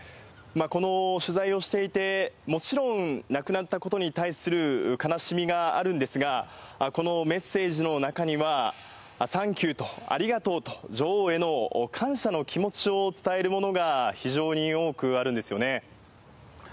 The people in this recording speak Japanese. この取材をしていて、もちろん亡くなったことに対する悲しみがあるんですが、このメッセージの中には、サンキューと、ありがとうと、女王への感謝の気持ちを伝えるものが非常に多くあるんですよね。